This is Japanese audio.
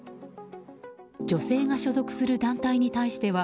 女性が所属する団体に対しては